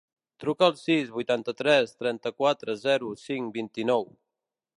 Truca al sis, vuitanta-tres, trenta-quatre, zero, cinc, vint-i-nou.